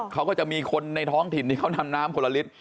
เขาก็จะมีคนในท้องถิ่นที่เขานำน้ำคนละลิตร